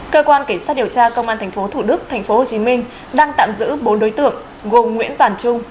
cơ quan cảnh sát điều tra công an tp thủ đức tp hcm đang tạm giữ bốn đối tượng gồm nguyễn toàn trung